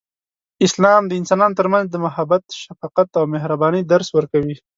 اسلام د انسانانو ترمنځ د محبت، شفقت، او مهربانۍ درس ورکوي.